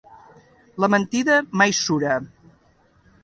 La mentida mai sura.